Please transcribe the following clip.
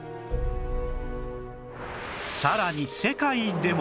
さらに世界でも